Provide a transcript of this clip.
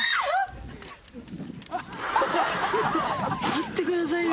待ってくださいよ。